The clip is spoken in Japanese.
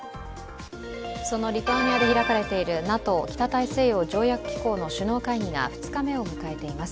そのリトアニアで開かれているＮＡＴＯ＝北大西洋条約機構の首脳会議が２日目を迎えています。